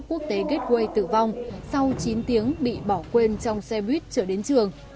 cấp quốc tế gateway tử vong sau chín tiếng bị bỏ quên trong xe buýt trở đến trường